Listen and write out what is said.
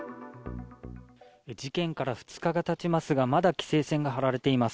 事件から２日が経ちますがまだ規制線が張られています。